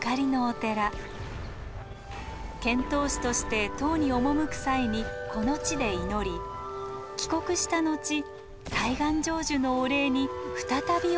遣唐使として唐に赴く際にこの地で祈り帰国した後大願成就のお礼に再び訪れたといいます。